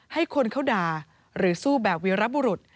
ให้คนเขาด่าหรือสู้แบบวีรบุรุษ